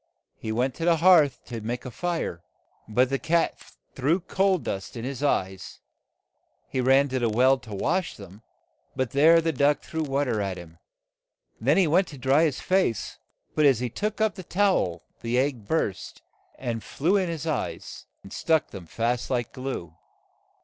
He went to the hearth to make a fire, but the cat threw coal dust in his eyes. He ran to the well to wash them, but there the duck threw wa ter at him. Then he went to dry his face, but as he took up the tow el, the egg burst, and flew in his eyes, and stuck them fast like glue.